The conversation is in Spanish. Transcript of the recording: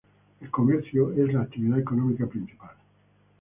El comercio es la actividad económica principal.